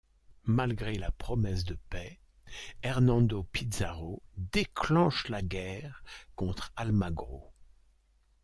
Malgré la promesse de paix, Hernando Pizarro déclenche la guerre contre Almagro.